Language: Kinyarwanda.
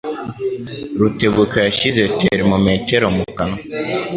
Rutebuka yashyize termometero mu kanwa.